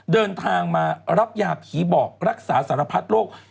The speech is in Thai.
เดินทางมารับยาผีบอกรักษาสารพัดโรค